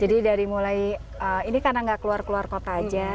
jadi dari mulai ini karena gak keluar keluar kota aja